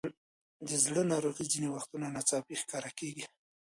د زړه ناروغۍ ځینې وختونه ناڅاپي ښکاره کېږي.